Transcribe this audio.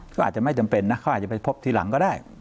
ก็อาจจะไม่จำเป็นนะเขาอาจจะไปพบทีหลังก็ได้